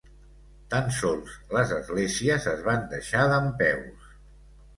Tan sols les esglésies es van deixar dempeus.